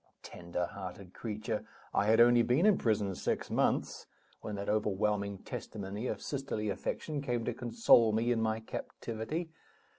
Tenderhearted creature! I had only been in prison six months when that overwhelming testimony of sisterly affection came to console me in my captivity.